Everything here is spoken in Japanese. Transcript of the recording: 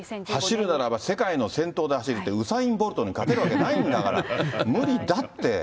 走るならば世界の先頭で走るって、ウサイン・ボルトに勝てるわけないんだって、無理だって。